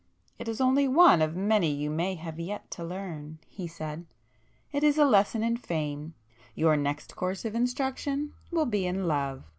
"It is only one of many you may have yet to learn"—he said—"It is a lesson in fame. Your next course of instruction will be in love!"